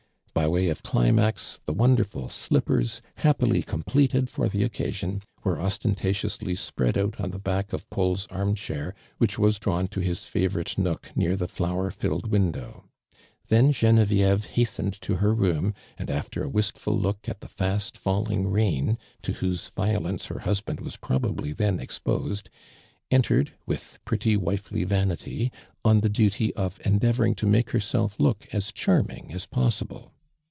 By way of climax, the wonderful slippers, happily completed for the occasion, were ostentatiously spread out on the back of Paul's armchair which was drawn to his favorite nook near the flower filled window. Then Genevieve hastened to her room, and after a wistful look at the fast falling rain, to whose violence her husband was probably then exposed, entered, with pretty wifely vanity, on the duty of endea voring to make herself look as charming as possible.